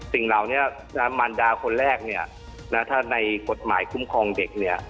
สิ่งเหล่านี้มารดาคนแรกถ้าในกฎหมายคุ้มครองเด็ก